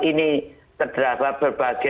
ini terdapat berbagai kegiatan yang menue pro dan kontra